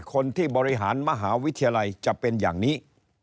คนที่บริหารมหาวิทยาลัยจะเป็นอย่างนี้